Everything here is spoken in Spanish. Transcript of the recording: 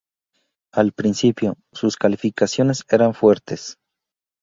Al principio, sus calificaciones eran fuertes.